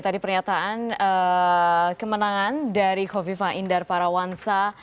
tadi pernyataan kemenangan dari kofi faindar parawansa